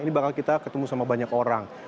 ini bakal kita ketemu sama banyak orang